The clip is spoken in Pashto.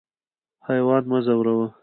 حیوان مه ځوروه.